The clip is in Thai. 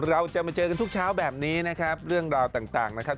เราจะมาเจอกันทุกเช้าแบบนี้นะครับเรื่องราวต่างนะครับ